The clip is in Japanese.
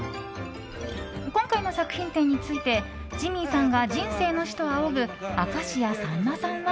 今回の作品展についてジミーさんが人生の師と仰ぐ明石家さんまさんは。